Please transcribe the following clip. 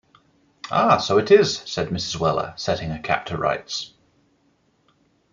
‘Ah, so it is,’ said Mrs. Weller, setting her cap to rights.